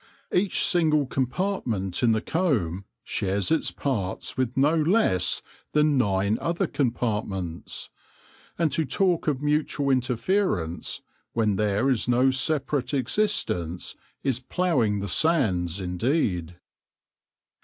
Each single compart ment in the comb shares its parts with no less than nine other compartments. And to talk of mutual interference when there is no separate existence is ploughing the sands indeed.